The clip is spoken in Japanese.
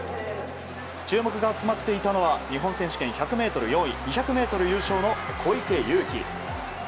注目が集まっていたのは日本選手権、１００ｍ４位２００ｍ優勝の小池祐樹。